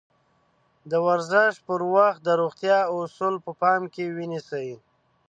د ورزش پر وخت د روغتيا اَصول په پام کې ونيسئ.